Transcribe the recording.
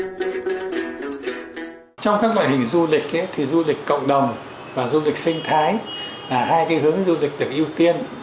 trong các loại hình du lịch thì du lịch cộng đồng và du lịch sinh thái là hai cái hướng du lịch được ưu tiên